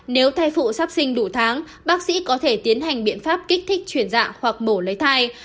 nếu thai phụ sắp sinh đủ tháng bác sĩ có thể tiến hành biện pháp kích thích chuyển dạng hoặc mổ lấy thai